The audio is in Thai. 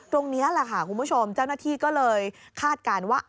ตรงนี้แหละค่ะคุณผู้ชมเจ้าหน้าที่ก็เลยคาดการณ์ว่า